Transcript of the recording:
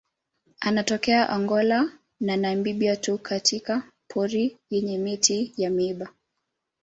Anatokea Angola na Namibia tu katika pori yenye miti ya miiba.